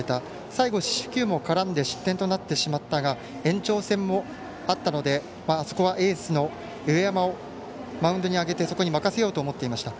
最後、四死球も絡んで失点となったが延長戦もあったのでそこはエースの上山をマウンドに上げてそこに任せようと思っていました。